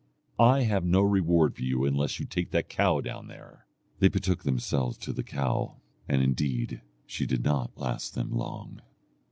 'I have no reward for you unless you take that cow down there.' They betook themselves to the cow, and indeed she did not last them long.